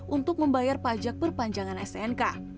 untuk membayar pajak perpanjangan stnk